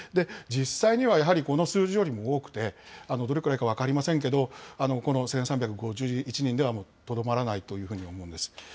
実際にはやはり、この数字よりも多くて、どれくらいか分かりませんけど、この１３５１人ではもうとどまらないというふうに思うんです。